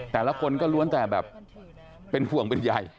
แต่ละคนก็ล้วนแต่แบบเป็นห่วงเป็นใย